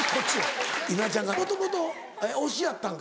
稲ちゃんがもともと推しやったんか？